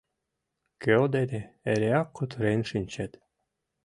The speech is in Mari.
Кӧ дене эреак кутырен шинчет.